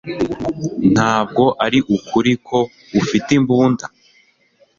Ntabwo ari ukuri ko ufite imbunda?